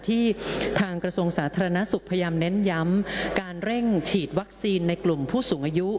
ที่ทางกระทรวงสาธารณสุขพยายามเน้นย้ำการเร่งฉีดวัคซีนในกลุ่มผู้สูงอายุ